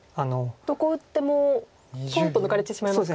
どこ打ってもポンと抜かれてしまいますか？